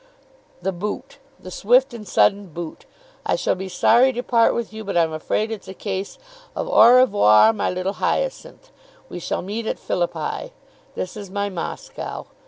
"The boot. The swift and sudden boot. I shall be sorry to part with you, but I'm afraid it's a case of 'Au revoir, my little Hyacinth.' We shall meet at Philippi. This is my Moscow.